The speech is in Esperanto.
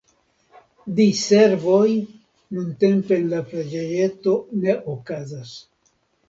Diservoj nuntempe en la preĝejeto ne okazas.